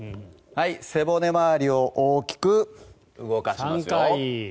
背骨周りを大きく動かしますよ。